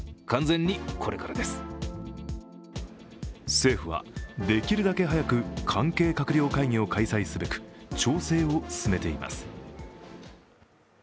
政府はできるだけ早く関係官僚会議を開催すべく調整を進めています。